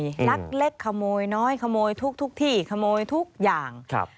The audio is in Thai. ลักเล็กขโมยน้อยขโมยทุกที่ขโมยทุกอย่างครับ